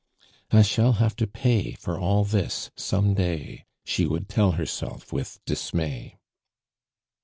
"I shall have to pay for all this some day," she would tell herself with dismay.